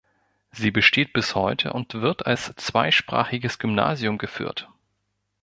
Sie besteht bis heute und wird als zweisprachiges Gymnasium geführt.